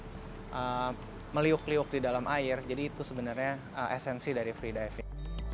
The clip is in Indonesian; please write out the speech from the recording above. untuk meliuk liuk di dalam air jadi itu sebenarnya esensi dari free diving